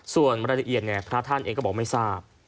ส่วนรายละเอียดพระท่านเองก็บอกไม่ทราบ